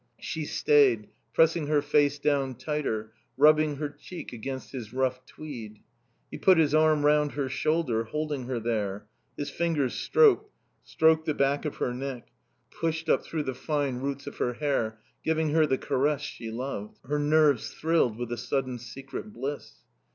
She stayed, pressing her face down tighter, rubbing her cheek against his rough tweed. He put his arm round her shoulder, holding her there; his fingers stroked, stroked the back of her neck, pushed up through the fine roots of her hair, giving her the caress she loved. Her nerves thrilled with a sudden secret bliss.